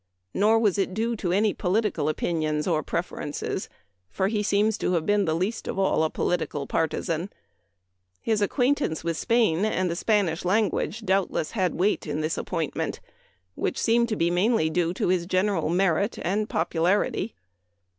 Nor was it due to any political opinions or preferences, for he seems to have been the least of all a political partisan. His acquaint 270 Memoir of Washington Irving. ance with Spain and the Spanish language doubtless had its weight in the appointment, while it seemed to be mainly due to his general merit and popularity.